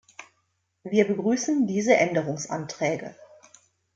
Wir begrüßen diese Änderungsanträge.